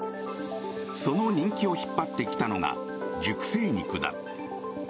その人気を引っ張ってきたのが熟成肉だ。